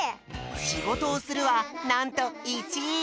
「しごとをする」はなんと１い！